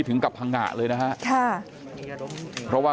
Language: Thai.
กลุ่มตัวเชียงใหม่